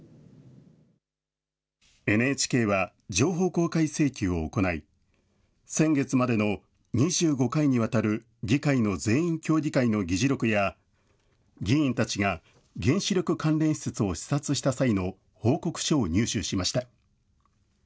ＮＨＫは情報公開請求を行い、先月までの２５回にわたる議会の全員協議会の議事録や、議員たちが原子力関連施設を視察した際の報告書を入手しました。